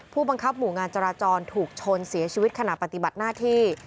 ผู้บังคับหมู่งานจราจรถูกชนเสียชีวิตขณะปฏิบัติหน้าที่